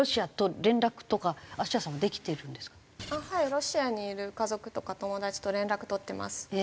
ロシアにいる家族とか友達と連絡取ってます。